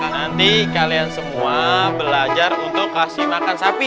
nanti kalian semua belajar untuk kasih makan sapi